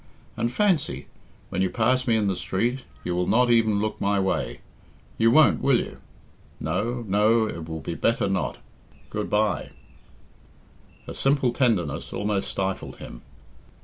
And fancy! when you pass me in the street, you will not even look my way. You won't, will you? No no, it will be better not. Goodbye!" Her simple tenderness almost stifled him.